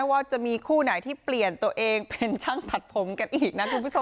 ว่าจะมีคู่ไหนที่เปลี่ยนตัวเองเป็นช่างตัดผมกันอีกนะคุณผู้ชม